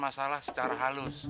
masalah secara halus